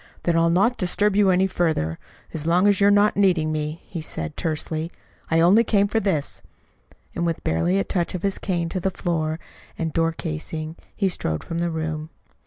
"Then I'll not disturb you any further as long as you're not needing me," he said tersely. "I only came for this." And with barely a touch of his cane to the floor and door casing, he strode from the room.